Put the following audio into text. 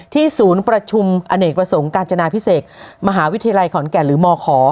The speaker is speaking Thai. ศูนย์ประชุมอเนกประสงค์กาญจนาพิเศษมหาวิทยาลัยขอนแก่นหรือมข